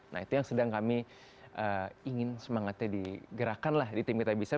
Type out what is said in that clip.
nah itu yang sedang kami ingin semangatnya digerakkan lah di tim kita bisa